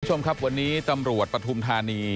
คุณผู้ชมครับทำหร่วดประธุมธานี